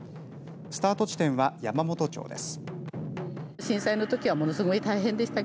スタート地点は山元町です。